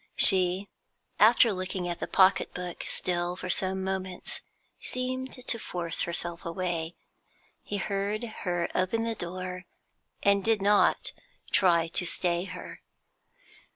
She, after looking at the pocket book still for some moments, seemed to force herself away. He heard her open the door, and did not try to stay her.